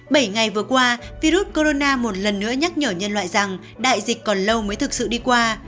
bảy ngày vừa qua virus corona một lần nữa nhắc nhở nhân loại rằng đại dịch còn lâu mới thực sự đi qua